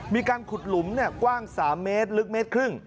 มีกลางขุดหลุมกว้าง๓เมตรลึก๑๕เมตร